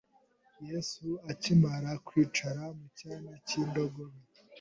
Yesu akimara kwicara ku cyana cy'indogobe